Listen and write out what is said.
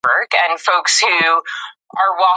آیا موږ د حقیقت په لټه کې یو؟